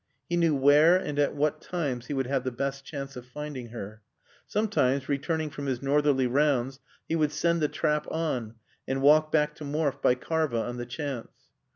He knew where and at what times he would have the best chance of finding her. Sometimes, returning from his northerly rounds, he would send the trap on, and walk back to Morfe by Karva, on the chance.